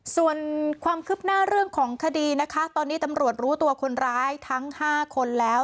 ส่วนความคืบหน้าเรื่องของคดีนะคะตอนนี้ตำรวจรู้ตัวคนร้ายทั้ง๕คนแล้ว